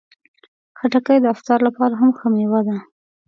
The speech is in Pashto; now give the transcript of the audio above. خټکی د افطار لپاره هم ښه مېوه ده.